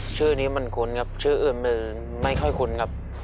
ชื่อนี้มันคุ้นครับชื่ออื่นมันไม่ค่อยคุ้นครับ